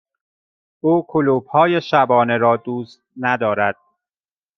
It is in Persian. او کلوپ های شبانه را دوست ندارد.